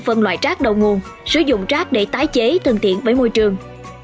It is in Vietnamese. phân loại rác đầu nguồn sử dụng rác để tái chế thân thiện với môi trường